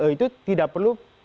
itu tidak perlu